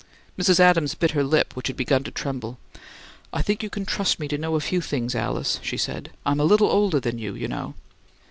Mrs. Adams bit her lip, which had begun to tremble. "I think you can trust me to know a FEW things, Alice," she said. "I'm a little older than you, you know."